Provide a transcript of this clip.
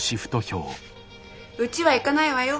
うちは行かないわよ。